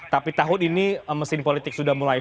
tapi tahun ini mesin politik sudah mulai